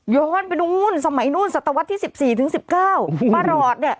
ย้อนไปนู่นสมัยนู่นศตวรรษที่สิบสี่ถึงสิบเก้าประหลอดเนี่ย